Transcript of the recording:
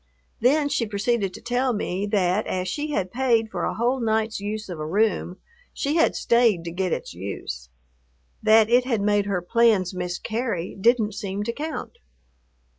Then, she proceeded to tell me that, as she had paid for a whole night's use of a room, she had stayed to get its use. That it had made her plans miscarry didn't seem to count.